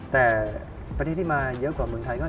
แต่ประเทศที่มาเยอะกว่าเมืองไทยก็